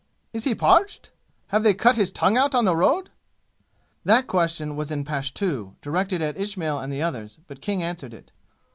"Is he parched? Have they cut his tongue out on the road?" That question was in Pashtu, directed at Ismail and the others, but King answered it.